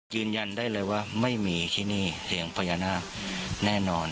ยืนยันได้เลยว่าไม่มีที่นี่เสียงพญานาคแน่นอน